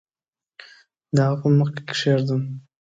د هغه په مخ کې کښېږدم